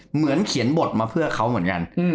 เหมือนเขียนบทมาเพื่อเขาเหมือนกัน